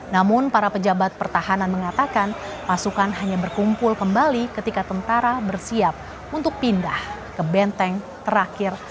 namun para pejabat pertahanan mengatakan pasukan hanya berkumpul kembali ketika tentara bersiap untuk pindah ke benteng terakhir